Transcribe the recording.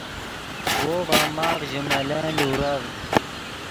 وو ڤے ماف ژے ملن لورڤد